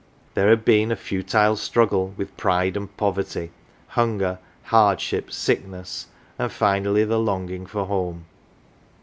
There had been a futile struggle with pride and poverty ; hunger, hard ship, sickness and finally the longing for home.